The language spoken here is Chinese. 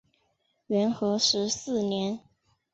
元和十四年。